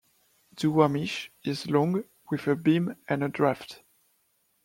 "Duwamish" is long with a beam and a draft.